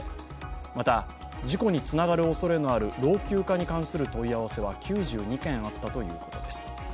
また、事故につながるおそれのある老朽化にする関する問い合わせは９２件あったということです。